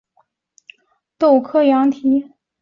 锈荚藤是豆科羊蹄甲属的植物。